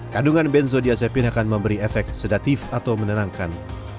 kandungan benzodiazepin akan memberi efek sedatif atau menenangkan